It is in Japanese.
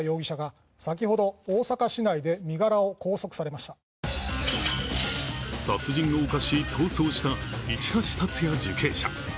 かつて殺人を犯し、逃走した市橋達也受刑者。